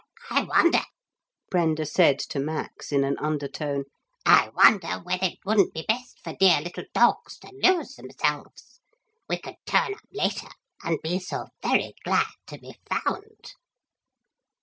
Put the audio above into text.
'I wonder,' Brenda said to Max in an undertone, 'I wonder whether it wouldn't be best for dear little dogs to lose themselves? We could turn up later, and be so very glad to be found.'